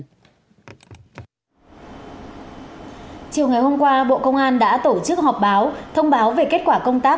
chiều ngày hôm qua bộ công an đã tổ chức họp báo thông báo về kết quả công tác